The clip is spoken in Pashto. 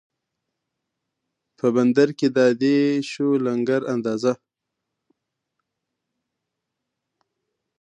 په بندر کې دا دی شو لنګر اندازه